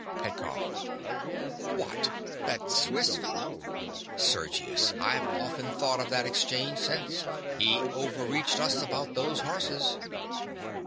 PETKOFF. What, that Swiss fellow? Sergius: I've often thought of that exchange since. He over reached us about those horses.